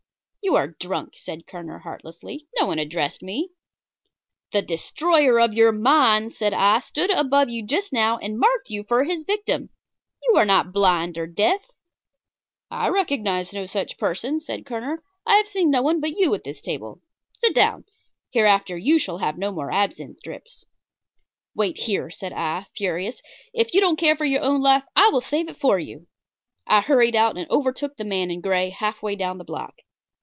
"You are drunk," said Kerner, heartlessly. "No one addressed me." "The destroyer of your mind," said I, "stood above you just now and marked you for his victim. You are not blind or deaf." "I recognized no such person," said Kerner. "I have seen no one but you at this table. Sit down. Hereafter you shall have no more absinthe drips." "Wait here," said I, furious; "if you don't care for your own life, I will save it for you." I hurried out and overtook the man in gray half way down the block.